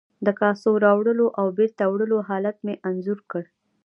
د کاسو راوړلو او بیرته وړلو حالت مې انځور کړ.